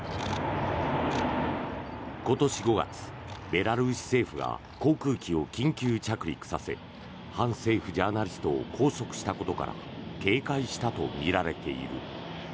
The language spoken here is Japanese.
今年５月、ベラルーシ政府が航空機を緊急着陸させ反政府ジャーナリストを拘束したことから警戒したとみられている。